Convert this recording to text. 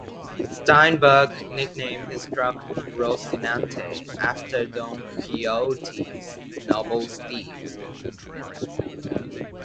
Steinbeck nicknamed his truck "Rocinante" after Don Quixote's "noble steed".